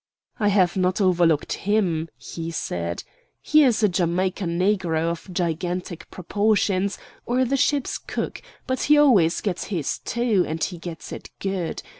"I have not overlooked him," he said. "He is a Jamaica negro of gigantic proportions, or the ship's cook; but he always gets his too, and he gets it good.